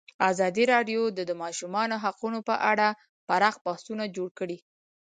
ازادي راډیو د د ماشومانو حقونه په اړه پراخ بحثونه جوړ کړي.